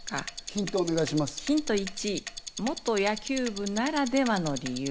ヒント１、元野球部ならではの理由。